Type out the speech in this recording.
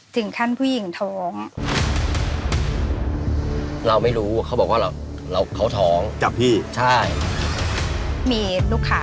ถึงขั้นหน่อยค่ะพี่อ้อย